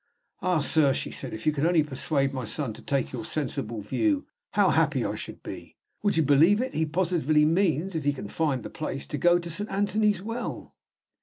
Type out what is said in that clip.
"Ah, sir," she said, "if you could only persuade my son to take your sensible view, how happy I should be! Would you believe it? he positively means (if he can find the place) to go to Saint Anthony's Well!"